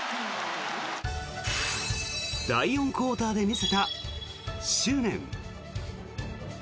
第４クオーターで見せた執念。